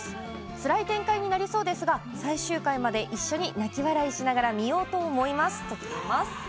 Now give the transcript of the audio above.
つらい展開になりそうですが最終回まで一緒に泣き笑いしながら見ようと思います。